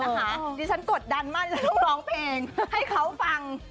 ดันมากที่จะต้องร้องเพลงให้เค้าฟัง